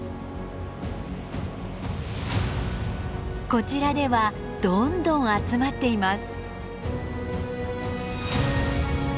こちらではどんどん集まっています。